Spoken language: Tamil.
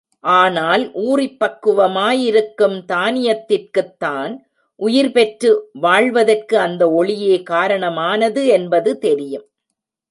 ஆனால், ஊறிப் பக்குவமா யிருக்கும் தானியத்திற்குத் தான் உயிர்பெற்று வாழ்வதற்கு அந்த ஒளியே காரணமானது என்பது தெரியும்.